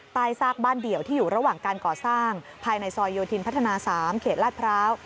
ซากบ้านเดี่ยวที่อยู่ระหว่างการก่อสร้างภายในซอยโยธินพัฒนา๓เขตลาดพร้าว